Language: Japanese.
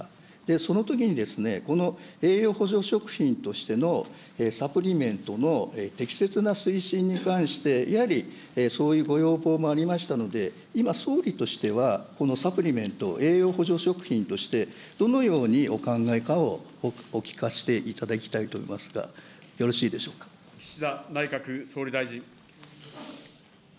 そのときにこの栄養補助食品としてのサプリメントの適切な推進に関して、やはりそういうご要望もありましたので、今、総理としては、このサプリメント、栄養補助食品として、どのようにお考えかをお聞かせいただきたいと思いますが、よろし岸田内閣総理大臣。